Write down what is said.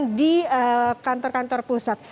ketika itu juga akan diberi kontor kontor pusat